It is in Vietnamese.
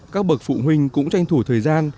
các bậc phụ huynh cũng tranh thủ thời gian